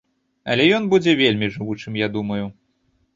Але ён будзе вельмі жывучым, я думаю.